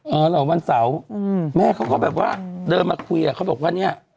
เออเราวันเมื่อแม่เขาก็แบบว่าเดินมาคุยเขาบอกว่านี่